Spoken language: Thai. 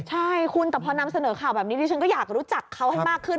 ใช่คุณแต่พอนำเสนอข่าวแบบนี้ดิฉันก็อยากรู้จักเขาให้มากขึ้น